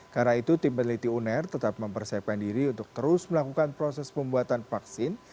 karena itu tim peneliti unair tetap mempersiapkan diri untuk terus melakukan proses pembuatan vaksin